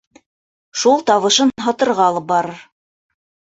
Шул табышын һатырға алып барыр.